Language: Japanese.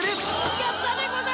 やったでござる！